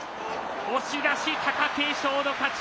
押し出し、貴景勝の勝ち。